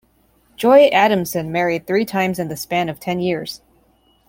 Joy Adamson married three times in the span of ten years.